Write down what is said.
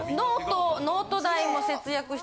ノート代も節約して。